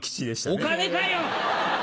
お金かよ！